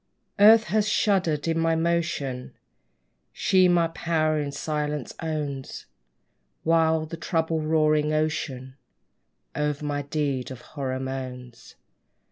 Earth has shuddered at my motion: She my power in silence owns; While the troubled, roaring ocean O'er my deeds of horror moans.